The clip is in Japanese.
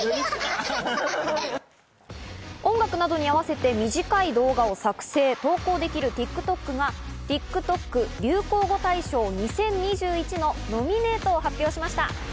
音楽などに合わせて短い動画を作成・投稿できるＴｉｋＴｏｋがＴｉｋＴｏｋ流行語大賞２０２１のノミネートを発表しました。